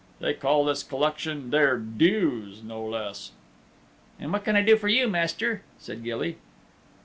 They call this collection their dues, no less." "And what can I do for you, Master?" said Gilly.